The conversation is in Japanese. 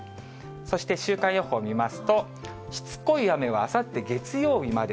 そして、週間予報を見ますと、しつこい雨は、あさって月曜日まで。